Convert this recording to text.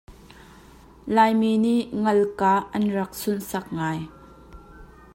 Laimi nih ngal kah an rak sunhsak ngai.